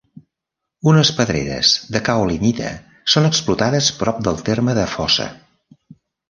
Unes pedreres de caolinita són explotades prop del terme de Fossa.